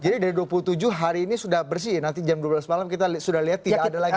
jadi dari dua puluh tujuh hari ini sudah bersih nanti jam dua belas malam kita sudah lihat tidak ada lagi